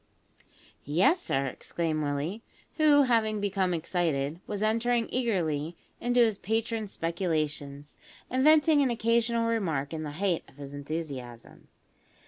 "Yes, sir," exclaimed Willie, who, having become excited, was entering eagerly into his patron's speculations, and venting an occasional remark in the height of his enthusiasm.